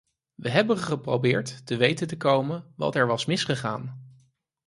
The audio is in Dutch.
We hebben geprobeerd te weten te komen wat er was misgegaan.